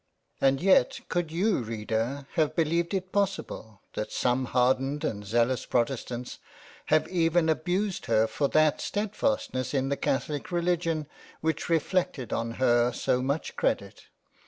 And yet could you Reader have be leived it possible that some hardened and zealous Protestants have even abused her for that steadfastness in the Catholic Religion which reflected on her so much credit